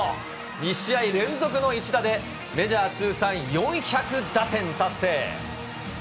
２試合連続の一打で、メジャー通算４００打点達成。